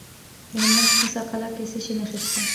د هلمند په موسی قلعه کې د څه شي نښې دي؟